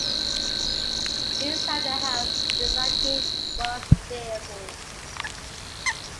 Inside the house the racket was fearful.